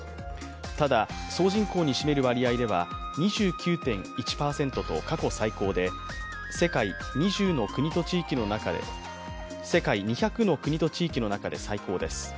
ただ、総人口に占める割合では２９．１％と過去最高で世界２００の国と地域の中で最高です。